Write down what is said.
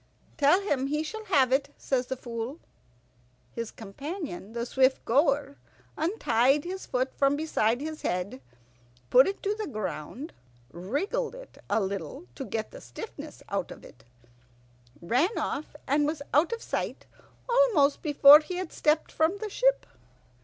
"Tell him he shall have it," says the Fool. His companion, the Swift goer, untied his foot from beside his head, put it to the ground, wriggled it a little to get the stiffness out of it, ran off, and was out of sight almost before he had stepped from the ship.